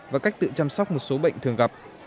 và cách tự chăm sóc một số bệnh thường gặp